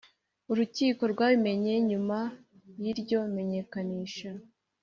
Urukiko rwabimenye nyuma y iryo menyekanisha